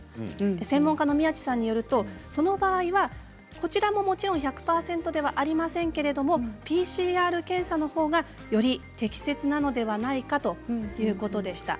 専門家の宮地さんによるとその場合はこちらももちろん１００％ではありませんけれどもＰＣＲ検査のほうがより適切なのではないかということでした。